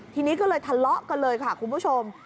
ทีนี้ก็เลยทะเลาะกันเลยค่ะคุณผู้ชม